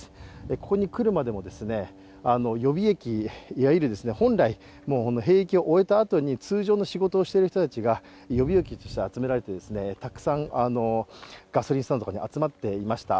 ここに来るまでも、予備役、いわゆる本来、兵役を終えた後に通常の仕事をしている人たちが予備役として集められていて、たくさんガソリンスタンドとかに集まっていました。